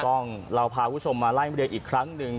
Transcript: ต้องเราพาคุณผู้ชมมาไล่เรียงอีกครั้งหนึ่ง